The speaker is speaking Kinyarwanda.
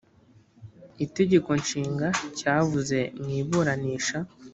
itegeko nshinga cyavutse mu iburanisha